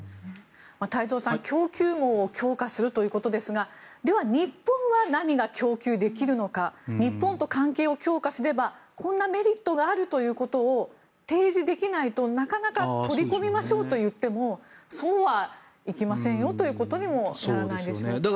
太蔵さん、供給網を強化するということですがでは、日本は何が供給できるのか日本と関係を強化すればこんなメリットがあるということを提示できないとなかなか取り込みましょうと言ってもそうはいきませんよということにもならないでしょうか。